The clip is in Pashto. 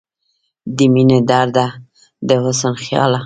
د مينې درده، د حسن خياله